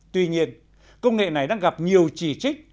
tuy nhiên công nghệ này đang gặp nhiều chỉ trích